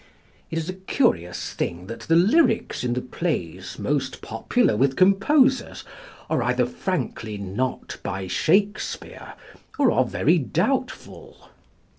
It is a curious thing that the lyrics in the plays most popular with composers are either frankly not by Shakespeare or are very doubtful.